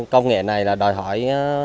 công nghệ này là đòi hỏi